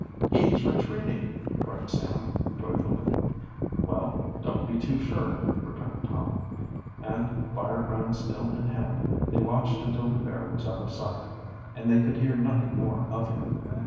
"He is retreating!" cried Sam joyfully. "Wait don't be too sure," returned Tom, and, firebrands still in hand, they watched until the bear was out of sight and they could hear nothing more of him.